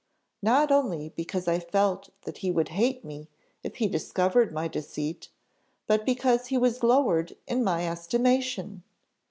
not only because I felt that he would hate me if he discovered my deceit, but because he was lowered in my estimation!